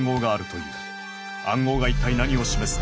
暗号が一体何を示すのか。